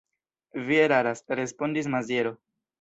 Vi eraras, respondis Maziero.